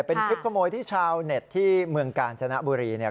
เป็นคลิปขโมยที่ชาวเน็ตที่เมืองกาญจนบุรีเนี่ย